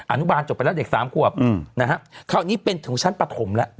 อาณุบาลจบไปแล้วเด็ก๓กว่าคราวนี้เป็นของชั้นประถมแล้ว